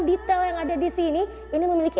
detail yang ada di sini ini memiliki